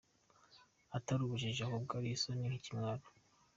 Atari ubujiji ahubwo ari isoni n’ikimwaro.